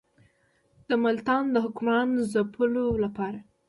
د ملتان د حکمران ځپلو لپاره.